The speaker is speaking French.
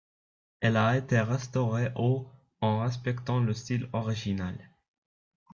Elle a été restaurée au en respectant le style originel.